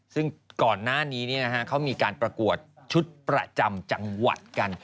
ซึ่งก่อนหน้านี้เขามีการประกวดชุดประจำจังหวัดกัน